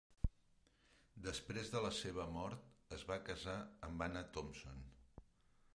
Després de la seva mort es va casar amb Anna Thompson.